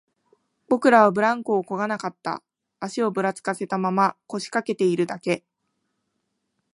僕らはブランコをこがなかった、足をぶらつかせたまま、腰掛けているだけ